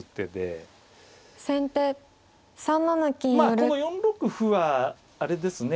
まあこの４六歩はあれですね